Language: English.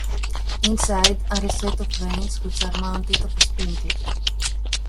Inside are a set of vanes which are mounted on a spindle.